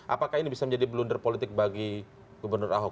apakah ini bisa menjadi blunder politik bagi gubernur ahok